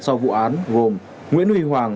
sau vụ án gồm nguyễn huy hoàng